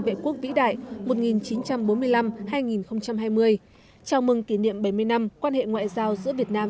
vệ quốc vĩ đại một nghìn chín trăm bốn mươi năm hai nghìn hai mươi chào mừng kỷ niệm bảy mươi năm quan hệ ngoại giao giữa việt nam